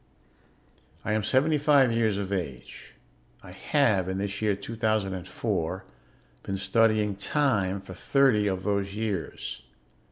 "I am seventy five years of age. I have, in this year 2004, been studying 'time' for thirty of those years.